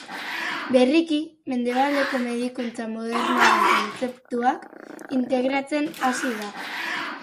Berriki Mendebaldeko medikuntza modernoaren kontzeptuak integratzen hasi da.